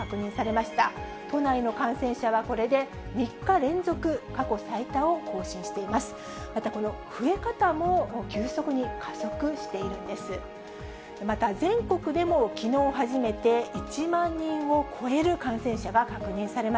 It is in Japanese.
またこの増え方も急速に加速しているんです。